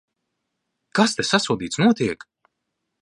Kas te, sasodīts, notiek?